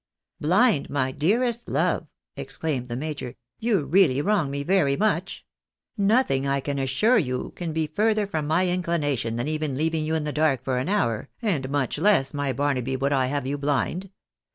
" Blind, my dearest love !" exclaimed the major ;" you really wrong me very much ; nothing I can assure you can be further from my inchnation than even leaving you in the dark for an hour, and much less, my Barnaby, would I have you blind.